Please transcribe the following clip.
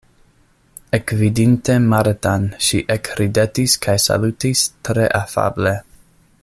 Ekvidinte Martan, ŝi ekridetis kaj salutis tre afable.